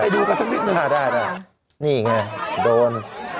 นี่ไงโดน